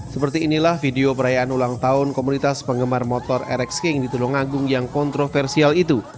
seperti inilah video perayaan ulang tahun komunitas penggemar motor rx king di tulungagung yang kontroversial itu